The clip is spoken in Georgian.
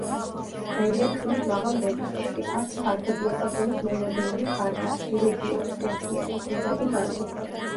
მღერიან ხმის მაღალ რეგისტრში, აქვს ფართო დიაპაზონის მელოდიური ქარგა, ელეგიური, სევდიანი, მღერადი ჰანგი.